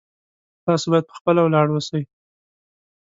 تاسو باید په خپله ولاړ اوسئ